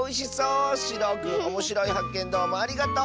しろうくんおもしろいはっけんどうもありがとう！